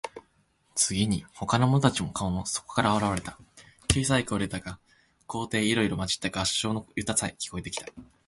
次に、ほかの者たちの顔もそこから現われた。小さい声でだが、高低いろいろまじった合唱の歌さえ、聞こえてきた。